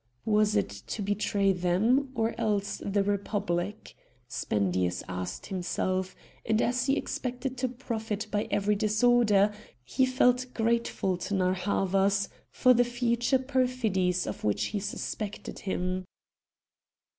"Was it to betray them, or else the Republic?" Spendius asked himself; and as he expected to profit by every disorder, he felt grateful to Narr' Havas for the future perfidies of which he suspected him.